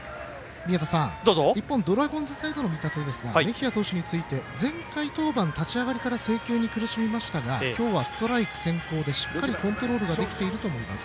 一方、ドラゴンズサイドの見立てですがメヒア投手について、前回登板立ち上がりから制球に苦しみましたが、今日はストライク先行でコントロールできていると思います。